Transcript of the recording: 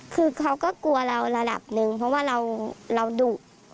คือเขาก็กลัวเราระดับหนึ่งเพราะว่าเราดุ